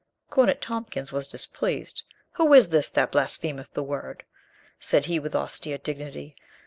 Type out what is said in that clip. Cornet Tompkins was displeased. "Who is this that blasphemeth the Word?" said he with austere dignity.